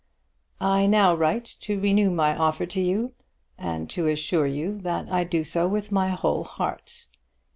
I now write to renew my offer to you, and to assure you that I do so with my whole heart.